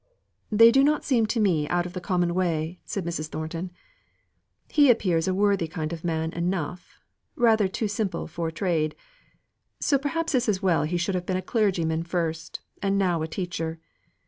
"They do not seem to me out of the common way," said Mrs. Thornton. "He appears a worthy kind of man enough; rather too simple for trade so it's perhaps as well he should have been a clergyman first, and now a teacher.